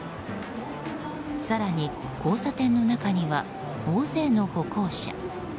更に、交差点の中には大勢の歩行者。